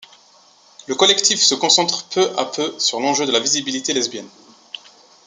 Le collectif se concentre peu à peu sur l’enjeu de la visibilité lesbienne.